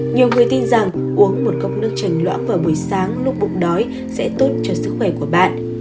nhiều người tin rằng uống một cốc nước trành lõa vào buổi sáng lúc bụng đói sẽ tốt cho sức khỏe của bạn